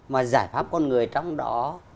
mà giải pháp con người trong đó